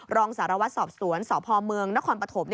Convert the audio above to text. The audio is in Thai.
รองสารวัตรสอบสวนสพเมืองนครปฐม